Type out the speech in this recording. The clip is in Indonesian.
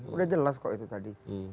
udah jelas kok itu tadi